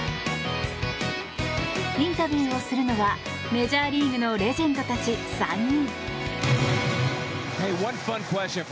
インタビューをするのはメジャーリーグのレジェンドたち３人。